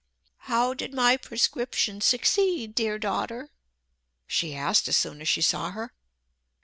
"How did my prescription succeed, dear daughter?" she asked as soon as she saw her.